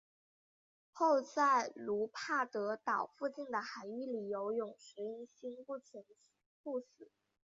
后在卢帕德岛附近的海域里游泳时因心不全猝死。